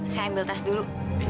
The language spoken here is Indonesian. saya ambil tas dulu